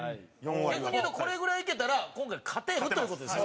逆に言うと、これぐらいいけたら今回、勝てるという事ですよ。